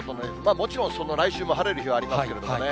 もちろん、その来週も晴れる日はありますけれどもね。